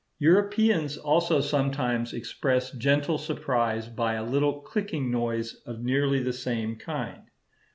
Europeans also sometimes express gentle surprise by a little clicking noise of nearly the same kind.